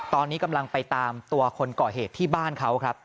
ตอนนี้กำลังไปตามตัวคนก่อเหตุที่บ้านเขาครับ